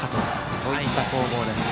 そういった攻防です。